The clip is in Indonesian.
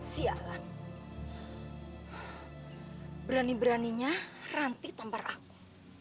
si alan berani beraninya ranti tampar aku